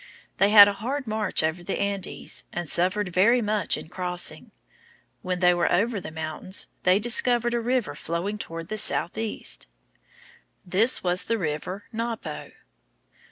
They had a hard march over the Andes, and suffered very much in crossing. When they were over the mountains, they discovered a river flowing toward the southeast. This was the river Napo.